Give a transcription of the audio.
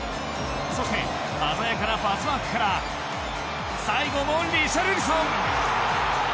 そして、鮮やかなパスワークから最後もリシャルリソン！